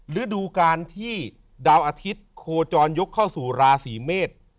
ฤดูการที่ดาวอาทิตย์โคจรยกเข้าสู่ราศีเมษ